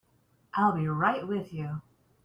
I'll be right with you.